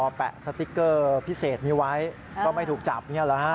พอแปะสติ๊กเกอร์พิเศษนี้ไว้ก็ไม่ถูกจับอย่างนี้หรือครับ